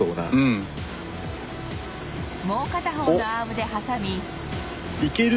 もう片方のアームで挟み